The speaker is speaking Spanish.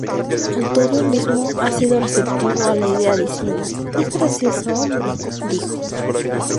Altuve mismo ha sido receptivo a la idea, diciendo: "Es gracioso, hombre", dijo.